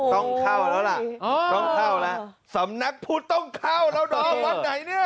ต้องเข้าแล้วล่ะต้องเข้าแล้วสำนักพุทธต้องเข้าแล้วเนาะวัดไหนเนี่ย